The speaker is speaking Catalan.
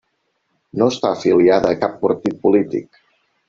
No està afiliada a cap partit polític.